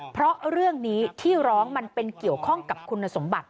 เพราะเรื่องนี้ที่ร้องมันเป็นเกี่ยวข้องกับคุณสมบัติ